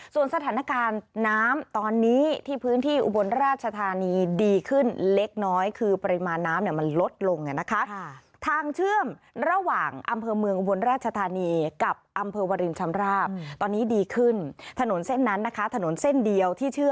ส่วนสถานการณ์น้ำตอนนี้ที่พื้นที่อุบลราชธานีดีขึ้นเล็กน้อย